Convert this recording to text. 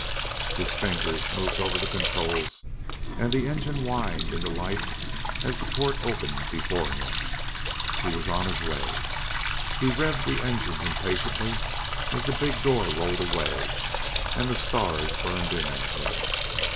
His fingers moved over the controls and the engines whined into life as the port opened before him. He was on his way! He revved the engines impatiently as the big door rolled away and the stars burned in at him.